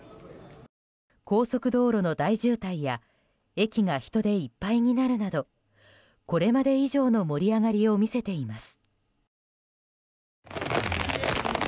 高速道路の大渋滞や駅が人でいっぱいになるなどこれまで以上の盛り上がりを見せています。